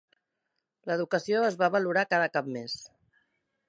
L'educació es va valorar cada cap més.